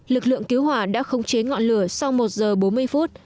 lực lượng cứu hỏa đã khống chế ngọn lửa sau một giờ bốn mươi phút